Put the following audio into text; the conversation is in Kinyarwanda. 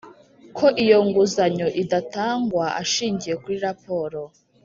ko iyo nguzanyo idatangwa ashingiye kuri raporo